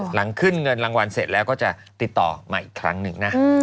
หลังขึ้นเงินรางวัลเสร็จแล้วก็จะติดต่อมาอีกครั้งหนึ่งนะ